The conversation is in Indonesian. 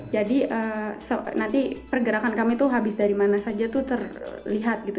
jadi nanti pergerakan kami tuh habis dari mana saja tuh terlihat gitu